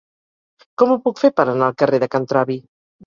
Com ho puc fer per anar al carrer de Can Travi?